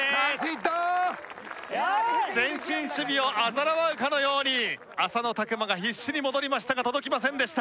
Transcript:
前進守備をあざ笑うかのように浅野拓磨が必死に戻りましたが届きませんでした。